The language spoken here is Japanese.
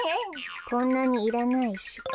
こんなにいらないし。